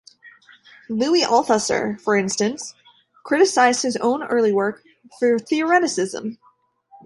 Louis Althusser, for instance, criticized his own early work for theoreticism.